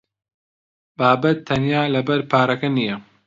بابەت تەنیا لەبەر پارەکە نییە.